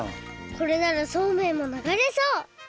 これならそうめんもながれそう！